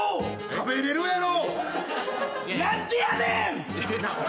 食べるやろ！